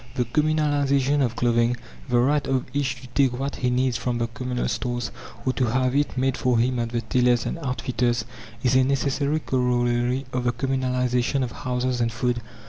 The communalization of clothing the right of each to take what he needs from the communal stores, or to have it made for him at the tailors and outfitters is a necessary corollary of the communalization of houses and food.